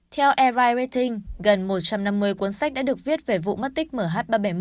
theo airline rating gần một trăm năm mươi cuốn sách đã được viết về vụ mất tích mh ba trăm bảy mươi